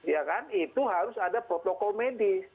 ya kan itu harus ada protokol medis